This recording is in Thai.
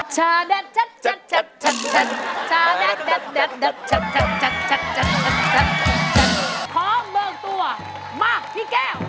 โปรดติดตามตอนต่อไป